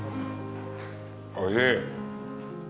おいしい！